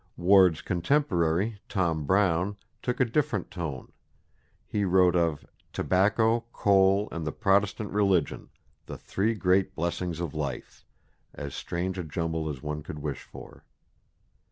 Ward's contemporary, Tom Brown, took a different tone: he wrote of "Tobacco, Cole and the Protestant Religion, the three great blessings of life!" as strange a jumble as one could wish for.